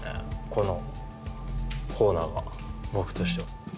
このコーナーが僕としては。